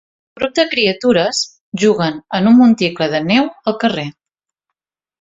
Un grup de criatures juguen en un monticle de neu al carrer.